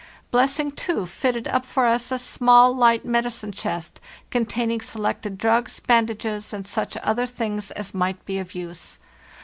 Blessing, too, fitted up for us a small, light medicine chest, containing selected drugs, bandages, and such other things as might be of use.